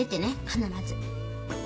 必ず。